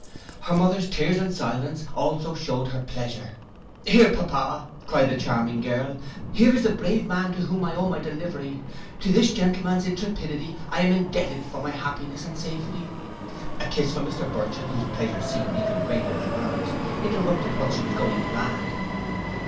Her mother's tears and silence also shewed her pleasure.—'Here, pappa,' cried the charming girl, 'here is the brave man to whom I owe my delivery; to this gentleman's intrepidity I am indebted for my happiness and safety—' A kiss from Mr Burchell, whose pleasure seemed even greater than hers, interrupted what she was going to add.